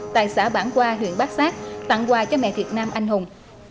tại xã bản qua huyện bát sát tặng quà cho mẹ việt nam anh hùng